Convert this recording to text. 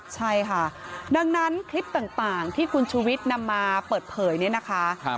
ใช่ค่ะดังนั้นคลิปต่างที่คุณชูวิทย์นำมาเปิดเผยเนี่ยนะคะ